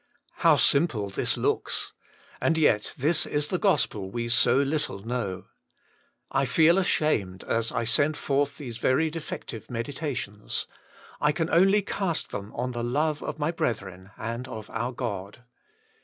How simple this looks ! And yet this is the gospel we so little know. I feel ashamed as I send forth these very defective meditations ; I can only cast them on the love of my brethren, and of our God.